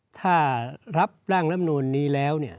ถ้ารับร่างลำนูนนี้แล้ว